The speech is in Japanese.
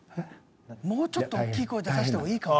もうちょっとおっきい声出さしてもいいかも。